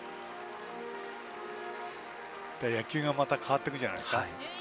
野球がまた変わってくるんじゃないですか。